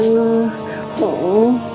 aku sengaja menghindarimu